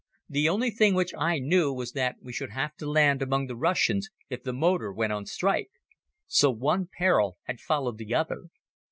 The only thing which I knew was that we should have to land among the Russians if the motor went on strike. So one peril had followed the other.